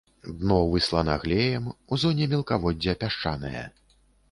Дно выслана глеем, у зоне мелкаводдзя пясчанае.